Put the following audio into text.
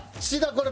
これ。